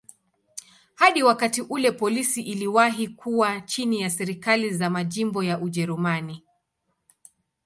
Hadi wakati ule polisi iliwahi kuwa chini ya serikali za majimbo ya Ujerumani.